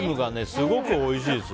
すごくおいしいです。